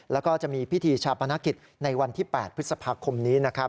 แล้วก็จะมีพิธีชาปนกิจในวันที่๘พฤษภาคมนี้นะครับ